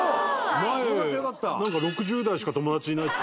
前なんか６０代しか友達いないって。